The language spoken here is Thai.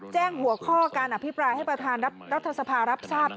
แจ้งหัวข้อการอภิปรายให้ประธานรัฐสภารับทราบ